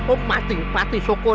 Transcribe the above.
oh mati mati syukur